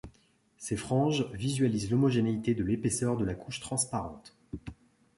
Ces franges visualisent l'homogénéité de l'épaisseur de la couche transparente.